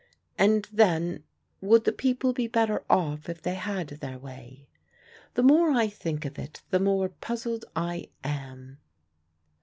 And, then, would the people be better off if they had their way? The more I think of it the more puzzled I am.